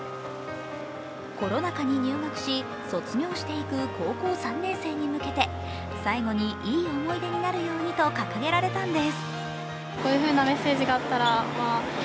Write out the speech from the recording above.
コロナ禍に入学し、卒業していく高校３年生に向けて最後にいい思い出になるようにと掲げられたんです。